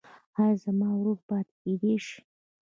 ایا زما ورور پاتې کیدی شي؟